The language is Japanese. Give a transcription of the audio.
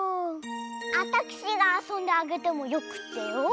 あたくしがあそんであげてもよくってよ。